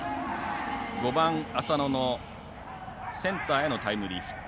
５番、浅野のセンターへのタイムリーヒット。